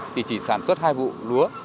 thì chỉ sản xuất hai vụ lúa